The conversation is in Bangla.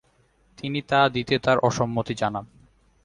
কিন্তু তা দিতে তাঁরা অসম্মতি জানান।